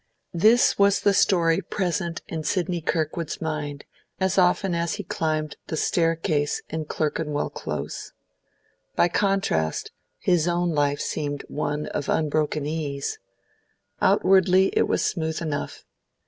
This was the story present in Sidney Kirkwood's mind as often as he climbed the staircase in Clerkenwell Close. By contrast, his own life seemed one of unbroken ease. Outwardly it was smooth enough.